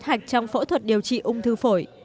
hạch trong phẫu thuật điều trị ung thư phổi